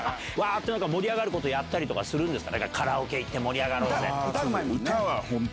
盛り上がることやったりするんですか？